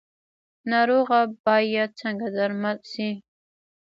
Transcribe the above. ناروغه باید څنګه درمل شي؟